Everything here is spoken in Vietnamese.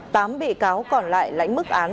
tám bị cáo còn lại lãnh mức án